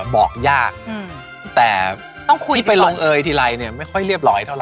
บอกยากแต่ที่ไปลงเอยทีไรเนี่ยไม่ค่อยเรียบร้อยเท่าไ